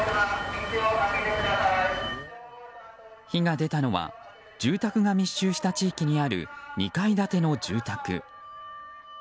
火が出たのは住宅がが密集した地域にある２階建ての住宅。